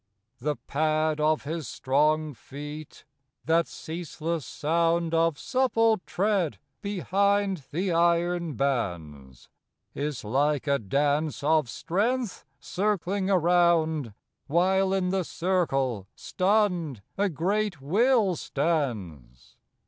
The pad of his strong feet, that ceaseless sound Of supple tread behind the iron bands, Is like a dance of strength circling around, While in the circle, stunned, a great will stands.